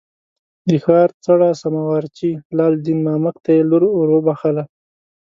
د ښار څړه سما وارچي لال دین مامک ته یې لور ور وبخښله.